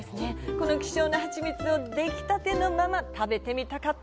この希少なハチミツをできたてのまま食べてみたかった！